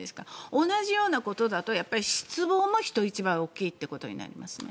同じようなことだと失望も人一倍大きいということですね。